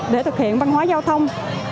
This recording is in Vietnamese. để thực hiện văn hóa giao thông